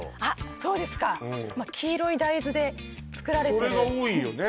そうですか黄色い大豆で作られてるそれが多いよね